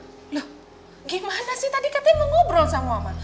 loh gimana sih tadi katanya mau ngobrol sama mama